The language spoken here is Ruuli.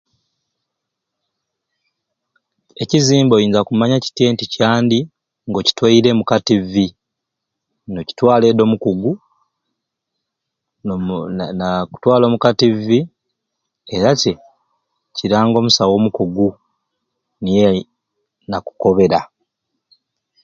Ekizimba oyinza kumanya kityai nti kyandi nga okitwayire omu ka TV nokitwala eddi omukugu no mu nakutwala omu ka TV era te kiranga omusawo omukugu niye nakukobera